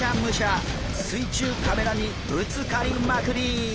水中カメラにぶつかりまくり！